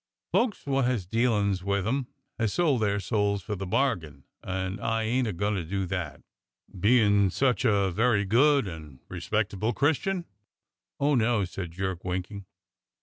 Folks wot has dealin's with 'em has sold their souls for the bargain, and I ain't a goin' to do that!" "Bein' such a very good and respectable Christian.'^ Oh, no !" said Jerk winking.